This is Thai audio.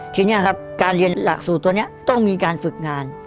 ทีนี้ครับการเรียนหลักสูตรตัวนี้ต้องมีการฝึกงาน